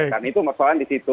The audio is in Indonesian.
kan itu persoalan di situ